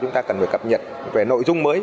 chúng ta cần phải cập nhật về nội dung mới